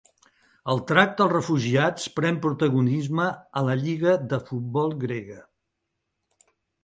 El tracte als refugiats pren protagonisme a la lliga de futbol grega